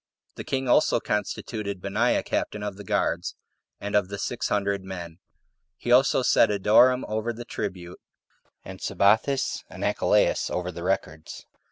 The king also constituted Benaiah captain of the guards, and of the six hundred men. He also set Adoram over the tribute, and Sabathes and Achilaus over the records.